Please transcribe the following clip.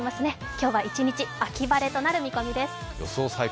今日も一日、秋晴れとなる見込みです。